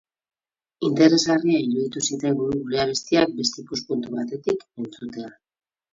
Interesgarria iruditu zitzaigun gure abestiak beste ikuspuntu batetatik entzutea.